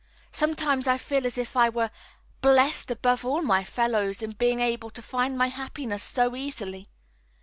Sometimes I feel as if I were blest above all my fellows in being able to find my happiness so easily.